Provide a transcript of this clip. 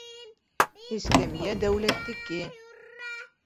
Эскәмйә дәүләттеке.